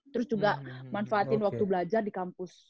terus juga manfaatin waktu belajar di kampus